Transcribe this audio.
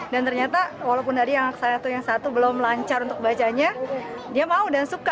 dan ternyata walaupun tadi yang satu satu belum lancar untuk bacanya dia mau dan suka